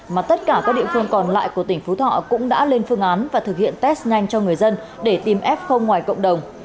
mà tất cả các địa phương còn lại của tỉnh phú thọ cũng đã lên phương án và thực hiện test nhanh cho người dân để tìm f ngoài cộng đồng